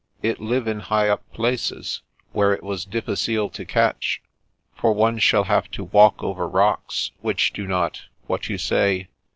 " It live in high up places, where it was difficile to catch, for one shall have to walk over rocks, which do not — ^what you say?